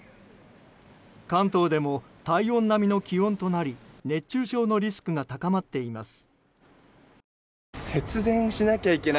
関東でも体温並みの気温となり熱中症のリスクが高まっています。